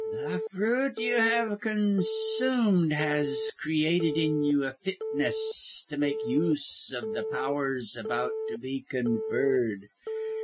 "The fruit you have consumed has created in you a fitness to make use of the powers about to be conferred.